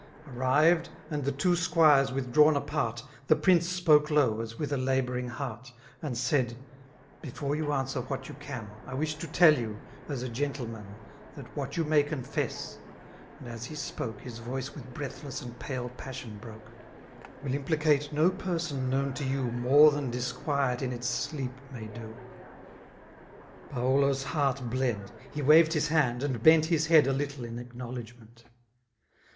Arrived, and the two sqnires withdrawn apart. The prince spoke low, as with a labouring heart. And said, '* Before you answer'what you can, '' I wish to tell you, as a gentleman, '' That what you may confess," (and as he spoke ' His voice wi^ breathless and pkle passion^broke) *'* Will implicate no person known to you, ^* More than disquiet in its sleep may do/* 94 Paulo's heart bM; he witVed his h«iid^ «iid bent His head a ttttte in ackoowledgineiit.